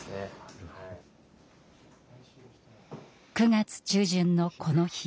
９月中旬のこの日。